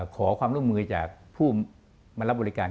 ขอความร่วมมือจากผู้มารับบริการ